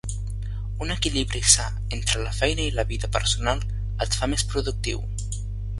Un equilibri sa entre la feina i la vida personal et fa més productiu.